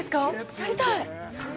やりたい。